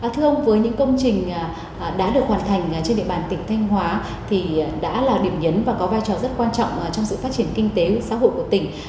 thưa ông với những công trình đã được hoàn thành trên địa bàn tỉnh thanh hóa thì đã là điểm nhấn và có vai trò rất quan trọng trong sự phát triển kinh tế xã hội của tỉnh